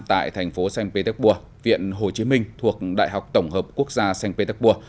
tại thành phố sanh pê tết bùa viện hồ chí minh thuộc đại học tổng hợp quốc gia sanh pê tết bùa